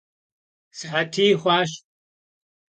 Sıhetiy xhuaş.